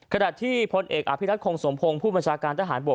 ขณะที่พลเอกอภิรัตคงสมพงศ์ผู้บัญชาการทหารบก